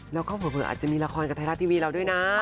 แล้วก็เผลออาจจะมีละครกับไทยรัฐทีวีเราด้วยนะ